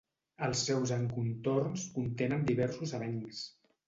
Els seus encontorns contenen diversos avencs.